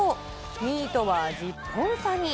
２位とは１０本差に。